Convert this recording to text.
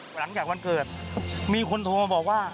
หลังจากวันเกิดมีคนโทรมาบอกว่า